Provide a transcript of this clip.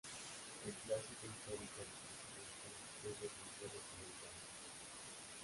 El clásico histórico de Excursionistas es Defensores de Belgrano.